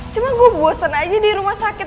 cuma gue bosen aja di rumah sakit